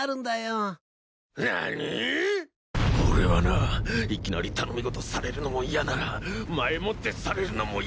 俺はないきなり頼み事されるのも嫌なら前もってされるのも嫌なんだよ。